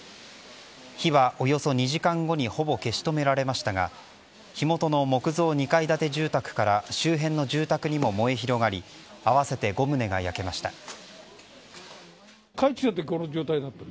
火はおよそ２時間後にほぼ消し止められましたが火元の木造２階建て住宅から周辺の住宅にも燃え広がり合わせて５棟が焼けました。